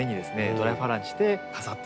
ドライフラワーにして飾っている。